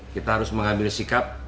kita harus mengambil sikap